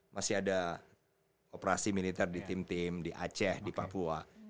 masih ada operasi militer di tim tim di aceh di papua